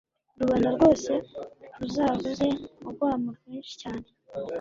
rubanda rwose ruzavuze urwamo rwinshi cyane